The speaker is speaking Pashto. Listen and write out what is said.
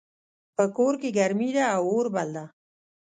په کور کې ګرمي ده او اور بل ده